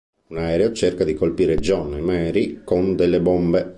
Un aereo cerca di colpire John e Marie con delle bombe.